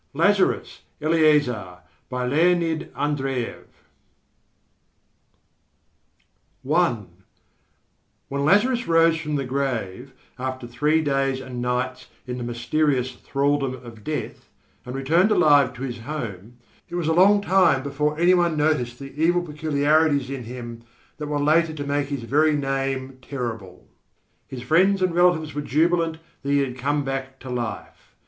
LAZARUS BY LEONID ANDREYEV I When Lazarus rose from the grave, after three days and nights in the mysterious thraldom of death, and returned alive to his home, it was a long time before any one noticed the evil peculiarities in him that were later to make his very name terrible. His friends and relatives were jubilant that he had come back to life.